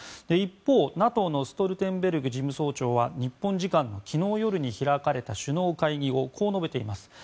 一方、ＮＡＴＯのストルテンベルグ事務総長は日本時間の昨日夜に開かれた首脳会議後こう述べています。